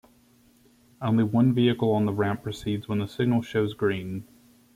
Only one vehicle on the ramp proceeds when the signal shows green.